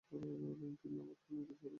তিনি অবাক হলেন, খুশি হলেন।